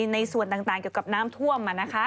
ในส่วนต่างเกี่ยวกับน้ำท่วม